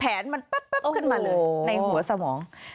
มันแป๊บขึ้นมาเลยในหัวสมอง